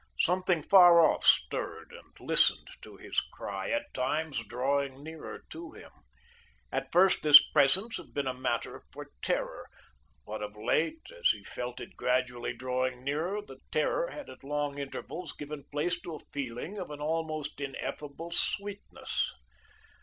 Something far off stirred and listened to his cry, at times drawing nearer to him. At first this presence had been a matter for terror; but of late, as he felt it gradually drawing nearer, the terror had at long intervals given place to a feeling of an almost ineffable sweetness.